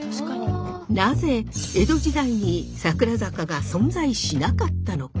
なぜ江戸時代に桜坂が存在しなかったのか？